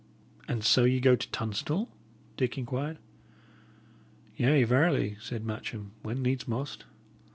"And so ye go to Tunstall?" Dick inquired. "Yea, verily," said Matcham, "when needs must!